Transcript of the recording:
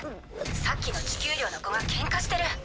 さっきの地球寮の子がケンカしてる。